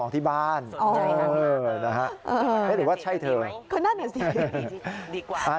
ที่มันติดอยู่หน้ารถกับหลังรถได้